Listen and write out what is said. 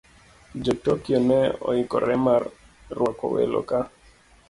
Jo - Tokyo ne oikore mar rwako welo ka